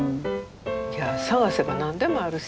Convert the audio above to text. いや探せば何でもあるし。